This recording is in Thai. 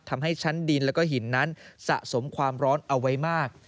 ทำให้ชั้นดินแล้วก็หินนั้นสะสมความร้อนเอาไว้มาก